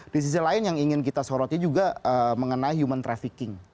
di sisi lain yang ingin kita soroti juga mengenai human trafficking